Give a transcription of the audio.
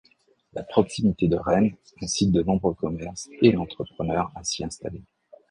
La proximité de Rennes incite de nombreux commerces et entrepreneurs à s'y installer.